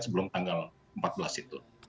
sebelum tanggal empat belas itu